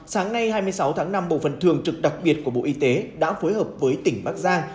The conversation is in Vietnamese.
sáng nay hai mươi sáu tháng năm bộ phần thường trực đặc biệt của bộ y tế đã phối hợp với tỉnh bắc giang